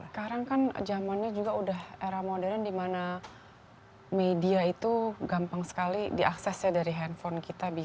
sekarang kan zamannya juga sudah era modern di mana media itu gampang sekali diaksesnya dari handphone